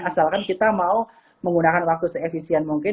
asalkan kita mau menggunakan waktu seefisien mungkin